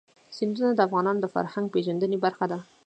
سیندونه د افغانانو د فرهنګي پیژندنې برخه ده.